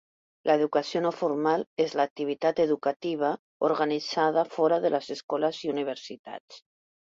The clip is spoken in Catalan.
L'educació no formal és l'activitat educativa organitzada fora de les escoles i universitats.